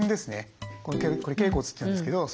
これ脛骨っていうんですけど。